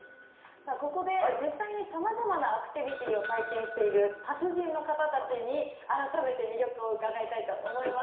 さあここで実際にさまざまなアクティビティーを体験している達人の方たちに改めて魅力を伺いたいと思います。